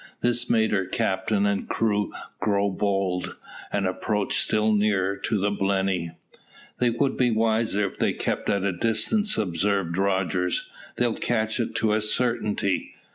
This made her captain and crew grow bold, and approach still nearer to the Blenny. "They would be wiser if they kept at a distance," observed Rogers; "they'll catch it to a certainty."